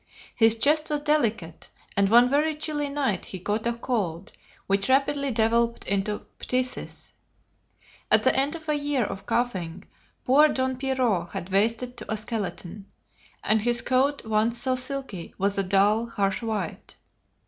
His chest was delicate, and one very chilly night he caught a cold which rapidly developed into phthisis. At the end of a year of coughing, poor Don Pierrot had wasted to a skeleton, and his coat, once so silky, was a dull, harsh white.